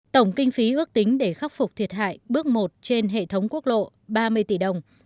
tổng kinh phí ước tính để khắc phục thiệt hại bước một trên hệ thống quốc lộ ba mươi tỷ đồng